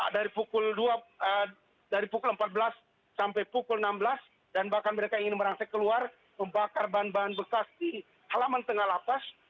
dari pukul empat belas sampai pukul enam belas dan bahkan mereka ingin merangsak keluar membakar bahan bahan bekas di halaman tengah lapas